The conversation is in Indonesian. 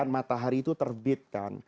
matahari itu terbit kan